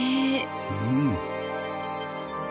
うん。